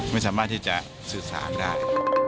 ไม่สามารถที่จะสื่อสารได้